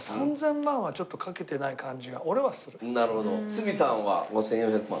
鷲見さんは５４００万。